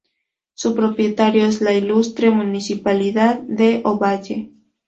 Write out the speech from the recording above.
Su propietario es la Ilustre Municipalidad de Ovalle.